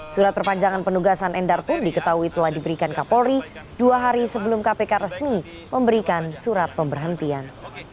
surat perpanjangan penugasan endar pun diketahui telah diberikan kapolri dua hari sebelum kpk resmi memberikan surat pemberhentian